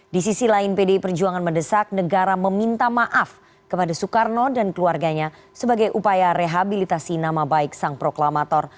di sisi lain pdi perjuangan mendesak negara meminta maaf kepada soekarno dan keluarganya sebagai upaya rehabilitasi nama baik sang proklamator